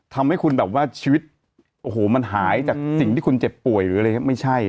ทำให้คุณแบบว่าชีวิตโอ้โหมันหายจากสิ่งที่คุณเจ็บป่วยหรืออะไรอย่างนี้ไม่ใช่